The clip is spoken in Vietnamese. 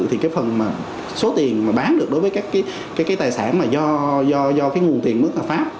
thì cái phần số tiền mà bán được đối với các cái tài sản mà do cái nguồn tiền mức pháp